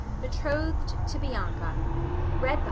Betrothed to Bianca. Huon .